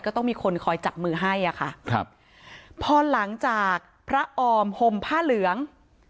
ก็ต้องมีคนคอยจับมือให้อ่ะค่ะครับพอหลังจากพระออมห่มผ้าเหลือง